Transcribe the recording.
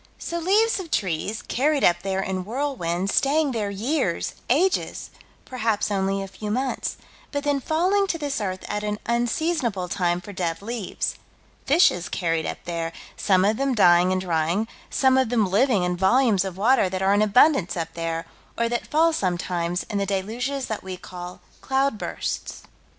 So leaves of trees, carried up there in whirlwinds, staying there years, ages, perhaps only a few months, but then falling to this earth at an unseasonable time for dead leaves fishes carried up there, some of them dying and drying, some of them living in volumes of water that are in abundance up there, or that fall sometimes in the deluges that we call "cloudbursts."